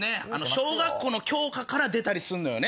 小学校の教科から出たりすんのよね。